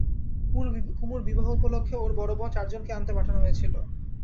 কুমুর বিবাহ উপলক্ষে ওর বড়ো বোন চারজনকেই আনতে পাঠানো হয়েছিল।